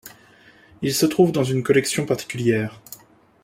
Il se trouve dans une collection particulière.